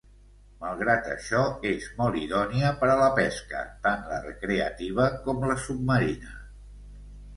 Malgrat això és molt idònia per a la pesca, tant la recreativa com la submarina.